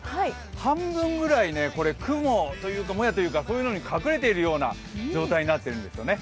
半分くらい雲というかもやというかそういうのに隠れているような状態なんですね。